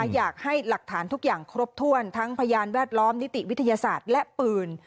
อยากให้หลักฐานทุกอย่างครบถ้วนทั้งพยานแวดล้อมนิติวิทยาศาสตร์และปืน